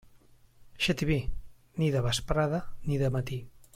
Xativí, ni de vesprada ni de matí.